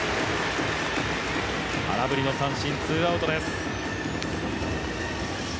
空振りの三振、ツーアウトです。